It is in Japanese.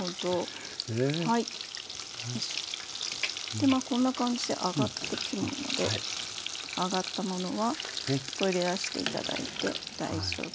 でまあこんな感じで揚がってくるので揚がったものはこれで出して頂いて大丈夫です。